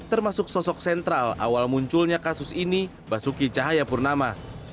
termasuk sosok sentral awal munculnya kasus ini basuki cahayapurnama